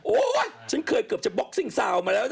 ฉันเคยเกือบจะบ็อกซิ่งซาวน์มาแล้ว